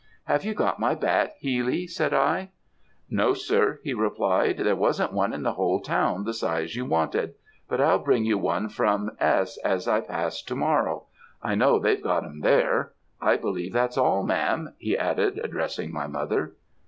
"'Have you got my bat, Healy?' said I. "'No, sir,' he replied; 'there wasn't one in the whole town the size you wanted; but I'll bring you one from S. as I pass to morrow. I know they've got 'em there. I believe that's all, Ma'am?' he added, addressing my mother.